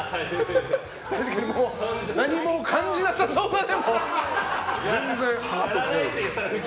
確かに何も感じなさそうだね。